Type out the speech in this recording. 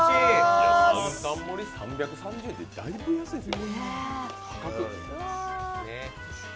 ３貫盛り３３０円って、だいぶ安いですよ。